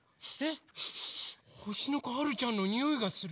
ほしのこはるちゃんのにおいがする。